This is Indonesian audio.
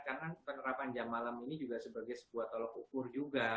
karena penerapan jam malam ini juga sebagai sebuah tolak ukur juga